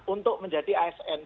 untuk menjadi asn